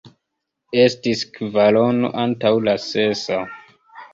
Estis kvarono antaŭ la sesa.